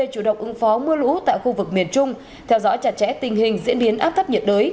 chủ động ứng phó mưa lũ tại khu vực miền trung theo dõi chặt chẽ tình hình diễn biến áp thấp nhiệt đới